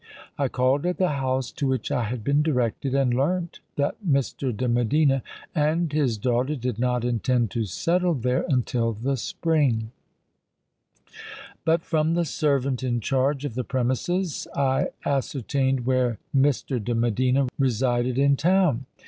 I called at the house to which I had been directed, and learnt that Mr. de Medina and his daughter did not intend to settle there until the Spring; but from the servant in charge of the premises I ascertained where Mr. de Medina resided in town.